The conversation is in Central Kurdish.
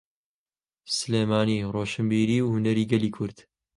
سلێمانی ڕۆشنبیری و هونەری گەلی کورد.